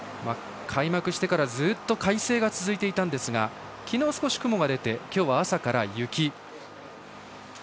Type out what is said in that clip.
開幕してからずっと快晴が続いていたんですが昨日、少し雲が出て今日は朝から雪。